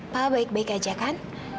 pak baik baik aja kan